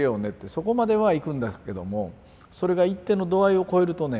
そこまではいくんですけどもそれが一定の度合いを超えるとね